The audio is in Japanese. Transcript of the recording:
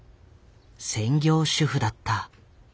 専業主婦だった。